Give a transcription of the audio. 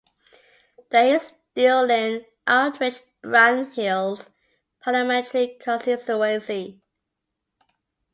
There is still an Aldridge-Brownhills parliamentary constituency.